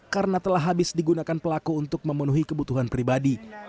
karena telah habis digunakan pelaku untuk memenuhi kebutuhan pribadi